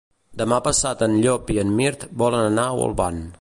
Demà passat en Llop i en Mirt volen anar a Olvan.